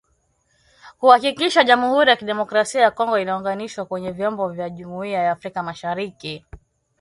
Kuhakikisha Jamhuri ya kidemokrasia ya Kongo inaunganishwa kwenye vyombo vya Jumuiya ya Afrika Mashariki.